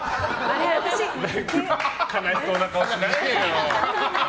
悲しそうな顔しないでよ。